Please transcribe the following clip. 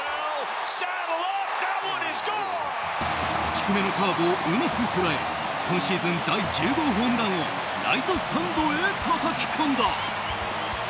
低めのカーブをうまくとらえ今シーズン第１０号ホームランをライトスタンドへたたき込んだ。